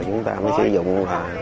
chúng ta mới sử dụng